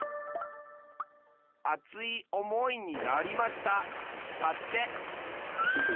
「あついおもいになりました」だって！